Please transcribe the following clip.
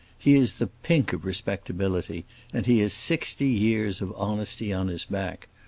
He is the pink of respectability, and he has sixty years of honesty on his back.